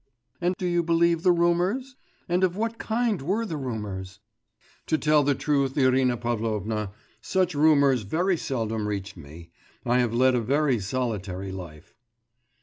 'And do you believe the rumours? And of what kind were the rumours?' 'To tell the truth, Irina Pavlovna, such rumours very seldom reached me. I have led a very solitary life.